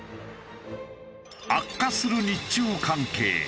悪化する日中関係。